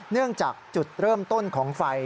เนื่องจากจุดเริ่มต้นของไฟ